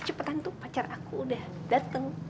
kecepatan tuh pacar aku udah dateng